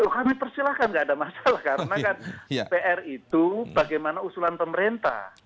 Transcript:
kami persilahkan nggak ada masalah karena kan pr itu bagaimana usulan pemerintah